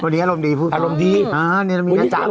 เรารู้จักไหมจ๊ะ